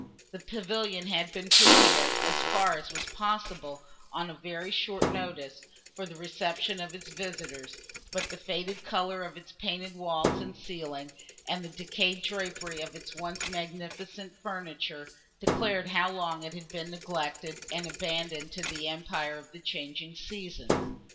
The pavilion had been prepared, as far as was possible, on a very short notice, for the reception of its visitors; but the faded colours of its painted walls and ceiling, and the decayed drapery of its once magnificent furniture, declared how long it had been neglected, and abandoned to the empire of the changing seasons.